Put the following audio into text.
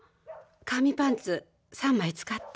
紙パンツ３枚使った？